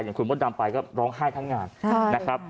อย่างคุณมดดำไปก็ร้องไห้ทั้งงานนะครับ